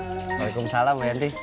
waalaikumsalam mbak yanti